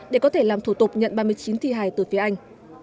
để có thể làm thủ tục nhận ba mươi chín thi hài từ phía anh